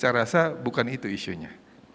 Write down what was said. saya rasa bukan itu isunya